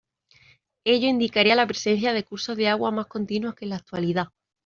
Ello indicaría la presencia de cursos de agua más continuos que en la actualidad.